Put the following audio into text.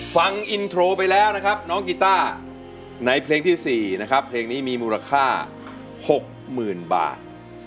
ฟังอินโทรไปแล้วนะครับน้องกีต้าในเพลงที่๔นะครับเพลงนี้มีมูลค่า๖๐๐๐บาท